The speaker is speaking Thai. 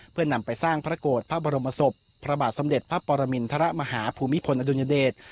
เพื่อนำไปสร้างพระโกรธพระบรมศพพระบาทสมเด็จพระปรมินทรมาฮาภูมิพลอดุญเดช